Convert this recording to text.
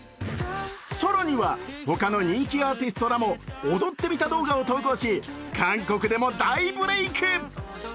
更には他の人気アーティストらも踊ってみた動画を投稿し韓国でも大ブレーク。